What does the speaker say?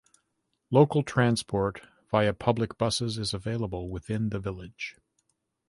Local transport via public buses is available within the village.